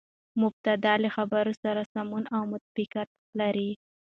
مبتداء له خبر سره سمون او مطابقت لري.